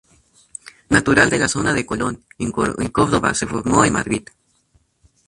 Natural de la zona de Colón, en Córdoba, se formó en Madrid.